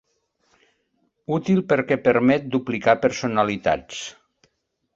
Útil perquè permet duplicar personalitats.